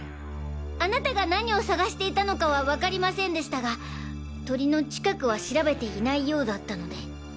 あなたが何を探していたのかはわかりませんでしたが鳥の近くは調べていないようだったので。